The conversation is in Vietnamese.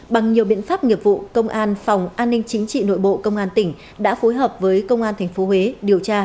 bằng nhiều biện pháp nghiệp vụ công an phòng an ninh chính trị nội bộ công an tỉnh đã phối hợp với công an tp huế điều tra